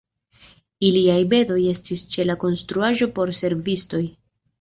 Iliaj bedoj estis ĉe la konstruaĵo por servistoj.